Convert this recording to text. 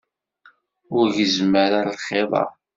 Ur gezzem ara lxiḍ-a.